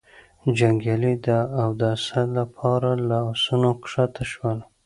جنګيالي د اوداسه له پاره له آسونو کښته شول.